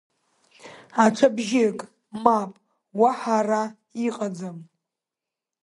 Аҽа бжьык, мап, уаҳа ара иҟаӡам.